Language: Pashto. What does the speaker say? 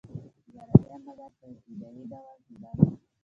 جراحي عملیات په ابتدایی ډول کیدل